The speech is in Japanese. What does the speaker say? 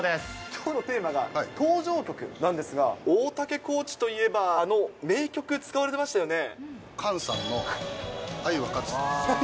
きょうのテーマが登場曲なんですが、大竹コーチといえば、あの名曲、使われてましたよね。